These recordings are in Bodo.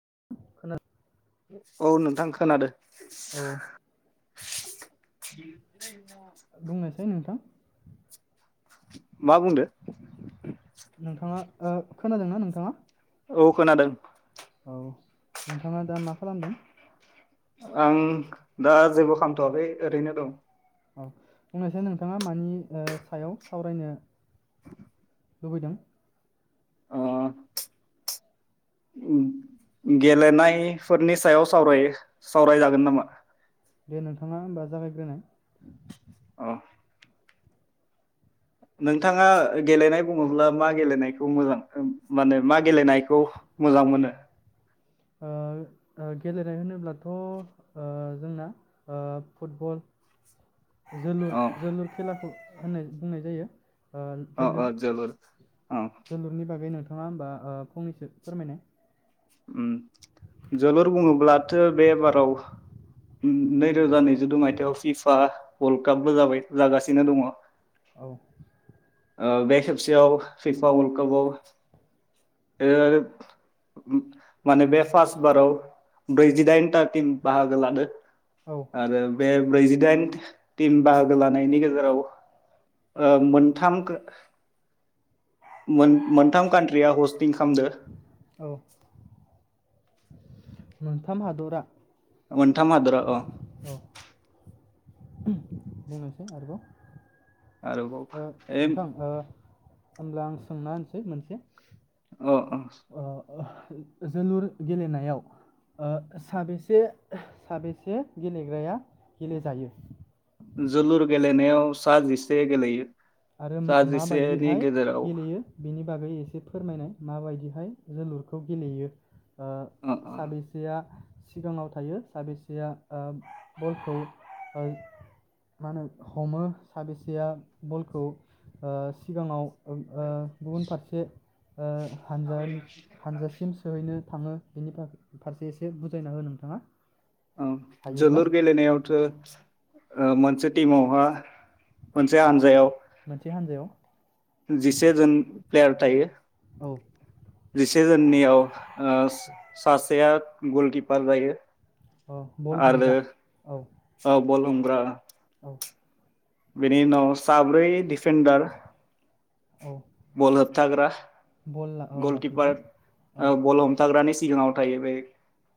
[inaudible] औ नोंथां खोनादो औ [inaudible] न आं नोंथां मा बुंदो नोंथांङा ओ खोनादोंना नोंथांङा औ खोनादों औ नोंथाङा दा मा खालामदों आं दा जेबो खामथवाखै ओरैनो दं औ बुंनायसाय नोंथाङा मानि ओ सायाव सावरायनो लुबैदों। ओ गेलेनायफोरनि सायाव सावराय सावरायजागोन नामा। दे नोंथाङा होमबा जागायग्रोनाय। औ नोंथाङा गेलेनाय बुङोब्ला मा गेलेनायखौ मोजां माने मा गेलेनायखौ मोजां मोनो गेलेनाय होनोब्लाथ ओ जोंना ओ फुटबल अ जोलुर-जोलुर खेलाखौ होननाय बुंनाय जायो। अ-अ जोलुर अ जोलुरनि बागै नोंथाङा होमबा ओ फंनैसो फोरमायनाय। उम जोलुर बुङोब्लाथ बे बाराव। नैरोजा नैजिदमायथाइाव फिफा वर्ल्ड कापबो जाबाय जागासिनो दङ। औ ओ बे खेबसेयाव फिफा वर्ल्ड कापाव ओ आरो माने बे फास्ट बाराव ब्रैजिदाइनथा टिम बाहागो लादों औ आरो बे ब्रैजिदाइन टिम बाहागो लानायनि गेजेराव ओ मोनथाम मोन मोनथाम कान्ट्रिया अस्ट खामदो औ मोनथाम हादरा मोनथाम हादरा अ औ बुंनोसै आरोबाव ओ आरोबाव एम नोंथां ओ होमब्ला आं सोंना होनोसै मोनसे अ अ ओ जोलुर गेलेनायाव ओ साबैसे साबैसे गेलेग्राया गेलेजायो जोलुर गेलेनायाव सा जिसे गेलेयो आरो सा जिसेनि माबायदिहाय गेजेराव गेलेयो बेनि बागै एसे फोरमायनाय माबायदिहाय जोलुरखौ गेलेयो ओ अ अ साबैसेया सिगाङाव थायो साबेसेया बलखौ ओ मा होनो हमो साबेसेया बलखौ खौ ओ सिगाङाव ओ गुबुन फारसे ओ हानजानि हानजासिम सोहैनो थाङो बेनि फारसे एसे बुजायना हो नोंथाङा औ हायोब्ला जोलुर गेलेनायावथो ओ मोनसे टिमावहा मोनसे हान्जायाव मोनसे हान्जायाव जिसे जोन प्लेयार थायो औ जिसेजोननियाव ओ सासेया गलकिपार जायो औ बल आरो हमग्रा औ औ बल हम ब्रा औ [inaudible] बेनि उनाव साब्रै डिफेडार औ बल होबथाग्रा बल ला- औ गलकिपार लाखिग्रा औ ओ बल हमथाग्रानि सिगाङाव थायो बे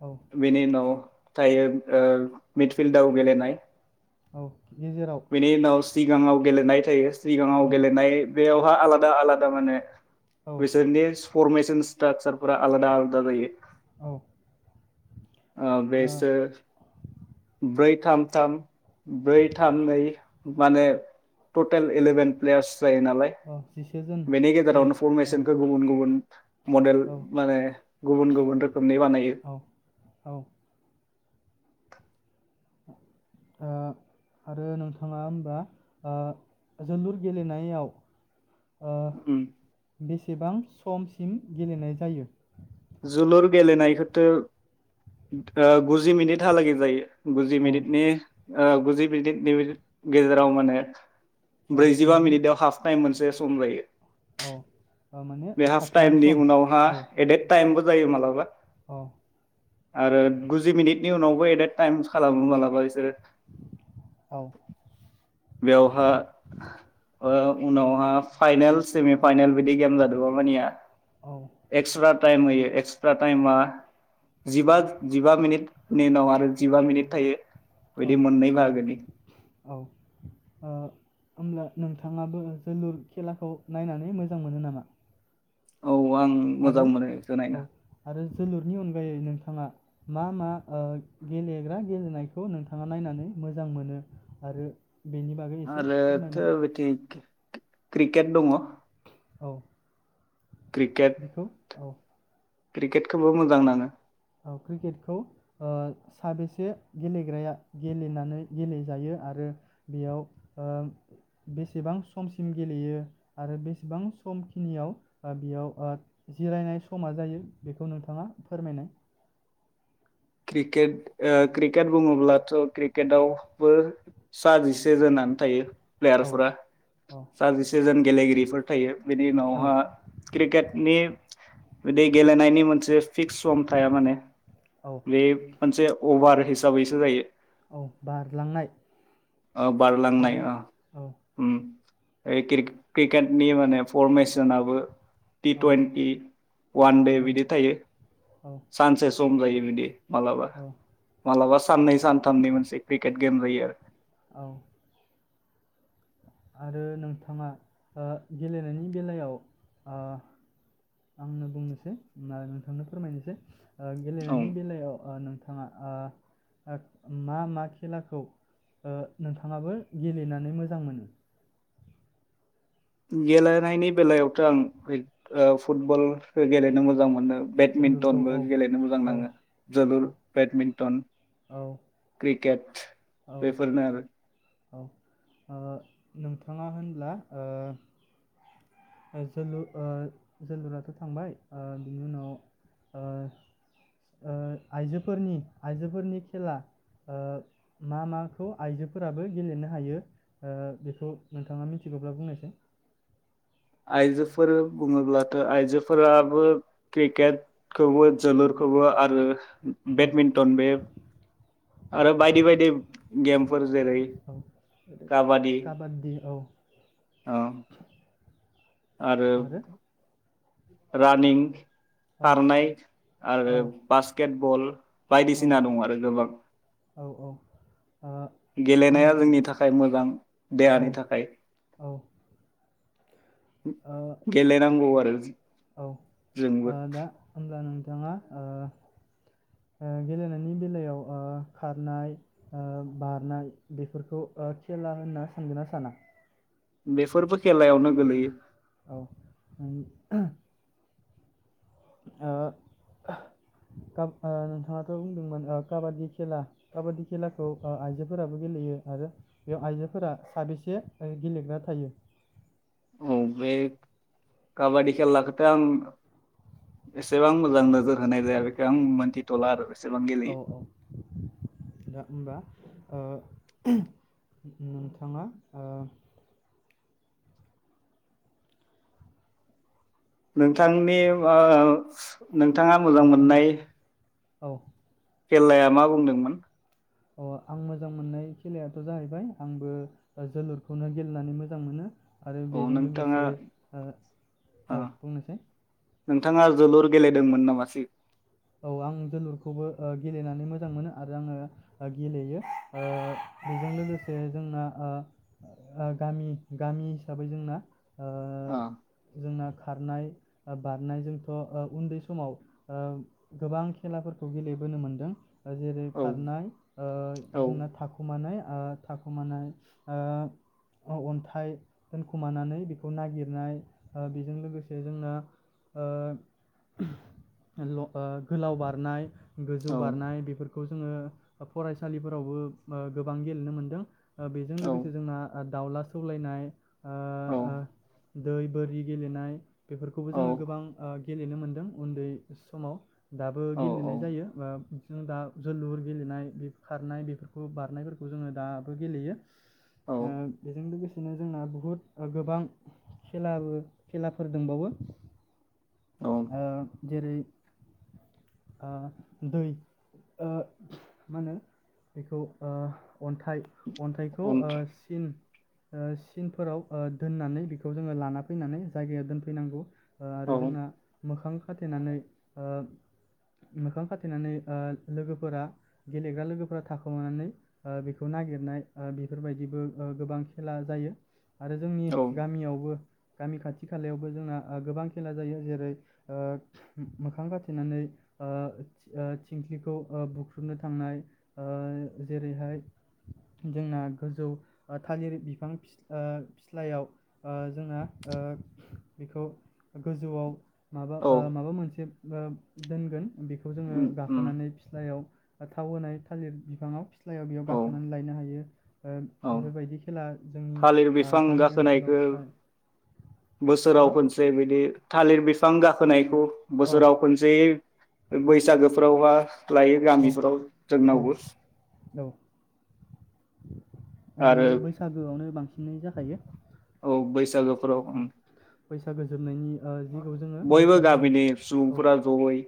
औ बेनि उनाव थायो ओ मिडफिल्डाव गेलेनाय औ गेजेराव बेनि उनाव सिगाङाव गेलेनाय थायो सिगाङाव औ गेलेनाय बेयाव बाआलादा आदा आलादा माने औ बिसोरनि फरमेसन स्ट्राकसारफोरा आलादा आलादा जायो औ आं बेसोर ब्रै थाम थाम ब्रै थाम नै माने टटेल इलेभेन प्लेयार्स जायो नालाय जिसेजोन बेनि गेले गेजेरावनो औ फरमेसनखौ गुबुन गुबुन मडेल औ माने गुबुन गुबुन रोखोमनि बानायो। औ ओ आरो नोंथाङा होनबा ओ जोलुर गेलेनायाव ओ उम बेसेबां समसिम गेलेनाय जायो? जोलुर गेलेनायखौथ' गुजि ओ मिनिटहालागै जायो। गुजि औ मिनिटनि ओ गुजि मिनिटनि बेबायदि गेजेराव माने ओ ब्रैजिबा गुजि मिनिटाव हाफ टाइम मोनसे सम जायो। औ ओ माने बे थाथ'नाय सम औ। खमबो जायो मालाबा। औ आरो गुजि मिनिट बेनि उनावबो एडेट टाइमस खालामो मालाबा इसोरो औ बेवहा आ उनावहा फाइनेल सेमि फाइनेल बिदि गेम जादोंबा मानिया औ एक्स्रा टाइम होयो एक्सट्रा टाइमा जिबा जिबा मिनिटनि उनाव आरो जिबा मिनिट थायो। औ बिदि मोननै बाहागोनि। औ ओ होमब्ला नोंथाङाबो जोलुर खेलाखौ नायनानै मोजां मोनो नामा? औ आं मोजां आरो मोनो इखो औ नायना। आरो जोलुरनि अनगायै नोंथाङा मा मा ओ गेलेग्रा गेलेनायखौ नोंथाङा नायनानै मोजां मोनो आरो बेनि बागै एसे फोरमायनाय आरोथो बो थिक क्रिकेट दङ। औ। क्रिकेट बेखौ औ। क्रिकेटखौबो मोजां नाङो। औ क्रिकेटखौ ओ साबेसे गेलेग्राया गेलेनानै गेलेजायो आरो बेयाव ओ बेसेबां समसिम गेलेयो आरो बेसेबां समखिनियाव ओ बियाव ओ जिरायनाय समा जायो बेखौ नोंथाङा फोरमायनाय। क्रिकेट ओ क्रिकेट बुङोब्लाथ' क्रिकेटआवबो सा जिसे जोनानो थायो। औ प्लेयारफोरा औ सा जिसेजोन गेलेगिरिफोर थायो। बेनि औ उनावहा क्रिकेटनि बिदि गेलेनायनि मोनसे फिक्स सम थाया माने। औ बे मोनसे अभार हिसाबैसो जायो। औ बारलांनाय ओ बारलांनाय बारलां ओ औ ओम। यै क्रिक क्रिकेटनि माने फरमेसनाबो। टि औ टुवन्टि वान दे औ बिदि थायो औ सान्सेस सम जायो बिदि। मालाबा औ मालाबा साननै सानथामननि मोनसे क्रिकेट गेम जायो आरो। औ। आरो नोंथाङा ओ गेलेनायनि बेलायाव ओ आंनो बुंनोसै नोंथांनो फोरमायनोसै। ओ औ गेलेनायनि बेलायाव ओ नों थाङा ओ मा मा खेलाखौ ओ‌ नोंथाङाबो गेलेनानै मोजां मोनो। गेलेनायनि बेलायावथ' आं क्रिक ओ फुटबल गेलेनो मोजां मोनो। जोलुरखौ बेडमिन्टनबो औ गेलेनो मोजां औ नाङो औ जोलुर बेडमिन्टन औ क्रिकेट। औ बेफोरनो आरो। औ ओ नोंथाङा होनब्ला ओ जोलुर ओ जोलुराथ' थांबाय ओ बिनि उनाव ओ ओ आइजोफोरनि आइजोफोरनि खेला ओ मा माखौ आइजोफोर फोराबो गेलेनो हायो ओ बेखौ नोंथाङा मिथिगौब्ला बुंनायसाय। आइजोफोर बुङोब्लाथ' आइजोफोराबो क्रिकेटखौबो जोलुरखौबो आरो औ बेडमिन्टन बे आरो बायदि बायदि। गेमफोर। जेरै औ काबादि काबादि औ औ आरो। रानिं औ खारनाय आरो औ बास्केटबल औ बायदिसिना दं आरो गोबां। औ औ। गेलेनाया होमब्ला जोंनि थाखाय मोजां औ देहानि औ थाखाय। ओ औ गेलेनांगौ आरो ओ जो-जोंबो। थाङा ओ ओ गेलेनायनि बेलायाव ओ खारनाय ओ बारनाय बेफोरखौ ओ खेला होनना सानगोना साना। बेफोरबो खेलायावनो गोलैयो। औ [inaudible] ओ खा ओ नोंथाङाथ' बुंदोंमोन काबादि खेला काबादि खेलाखौ ओ आइजोफोराबो गेलेयो आरो बेयाव आइजोफोरा साबेसे गेलेग्रा थायो। औ बे काबादि खेलाखौथ' आं एसेबां मोजां नोजोर होनाय जाया बेखो आं मोनथिथ'ला आरो बे औ औ दा होमबा ओ नोंथाङा ओ नोंथांनि ओ नोंथाङा मोजां नोंथाङा मोननाय औ। खेलाया मा बुंदोंमोन? अ आं मोजां मोननाय खेलायाथ' जाहैबाय आंबो जोलुरखौनो गेलेनानै मोजां मोनो। आरो औ बेजों नोंथाङा लोगोसे ओ ओ औ बुंनायसाय नोंथाङा जोलुर गेलेदोंमोन नामासि औ आं जोलुरखौबो ओ गेलेनानै मोजां मोनो आरो आङो गेलेयो ओ बेजों लोगोसे जोंना ओ गामि गामि हिसाबै जोंना ओ जोंना खारनाय बारनायजोंथ' ओ उन्दै समाव ओ गोबां खेलाफोरखौ गेलेबोनो मोन्दों जेरै औ खारनाय ओ औ जोंना थाखुमानाय ओ थाखुमानाय ओ अन्थाइ दोनखुमानानै बेखौ नागिरनाय ओ बेजों लोगोसे जोंना ओ ल' ओ गोलाव बारनाय गोजौ औ बारनाय बेफोर खौ जोङो फरायसालिफोरावबो ओ गोबां गेलेनो मोनदों। ओ बेजों औ लोगोसे जोंना आ दाउला सौलायनाय आ औ दै बोरि गेलेनाय बेफोरखौबो औ जोङो गोबां ओ गेलेनो मोन्दों उन्दै समाव दाबो औ गेलेनाय जायो ओ जों दा जोलुर गेलेनाय बे खारनाय बेफोरखौ बारनायफोरखौ जोङो दाबो गेलेयो। औ ओ बेजों लोगोसे बिदिनो जोंना बुहुत ओ गोबां खेलाबो खेलाफोर दोंबावो। ओ जेरै ओ दै ओ मा होनो बेखौ ओ अन्थाइ अन्थाइखौ ओ सिन ओ सिनफोराव ओ दोननानै बेखौ जोङो लाना फैनानै जायगायाव दोनफैनांगौ। ओ आरो जोंना औ मोखां खाथेनानै ओ मोखां खाथेनानै ओ लोगोफोरा गेलेग्रा लोगोफोरा थाखोमानानै ओ बेखौ नागिरनाय ओ बेफोरबायदिबो ओ गोबां खेला जायो। आरो जोंनि गामियावबो गामि खाथि खालायावबो जोंना ओ गोबां खेला जायो जेरै ओ मोखां खाथेनानै ओ थि ओ थिंख्लिखौ ओ बुख्रुबनो थांनाय ओ जेरैहाय जोंना गोजौ ओ थालिर बिफां फिस ओ फिस्लायाव ओ जोंना ओ बेखौ गोजौआव माबा औ ओ माबा मोनसे [unintelligible] दोनगोन। बेखौ जोङो उम उम गाखोनानै फिस्लायाव ओ थाव होनाय थालिर बिफाङाव फिस्लायाव बेयाव औ गाखोनानै लायनो हायो। ओ औ बेफोरबायदि खेला जोंनि थालिर ओ बिफां गामि ओनसोलाव गाखोनायखौ जा ओ बोसोराव खनसे बिदि थालिर बिफां गाखोनायखौ बोसोराव खोनसे बैसागोफ्रावहा लायो औ गामिफोराव औ जोंनावबो ओ आरो बेयो बैसागोआवनो बांसिनै जाखायो औ बैसागो फ फोराव औ उम बैसागो जोबनायनि ओ जिखौ जोङो बयबो बैसागो गामिनि औ सुबुंफोरा जयै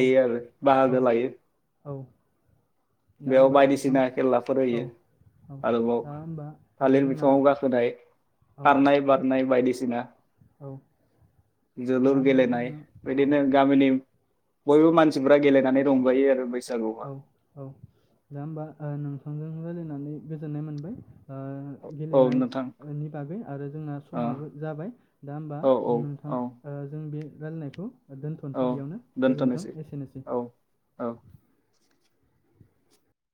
औ आरो औ बाहागो लायो औ दा बेयाव होमबा नोंथां बायदिसिना खेलाफोर औ होयो औ आरोबाव दा होमबा ओ थालिर जोंना बिफाङाव गाखोनाय औ खारनाय बारनाय बायदिस सिना औ दा जोलुर होमबा गेलेनाय जोंना औ बेदिनो गामिनि बयबो मानसिफ्रा गेलेनानै रंजायो आरो बै औ औ जा होमबा ओ नोंथांजों रायज्लायनानै गोजोननाय मोनबाय। ओ औ नोंथां गेलेनायनायनि बागै आरो जोंना औ समाबो जाबाय दा होमबा औ नोंथां औ ओ जों बे रायलायनायखौ औ दोनथ'नोसै बेयावनो गोजोन्थों दोनथ'नोसै एसेनोसै। औ औ